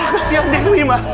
kasian dewi ma